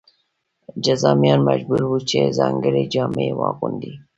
جذامیان مجبور وو چې ځانګړې جامې واغوندي.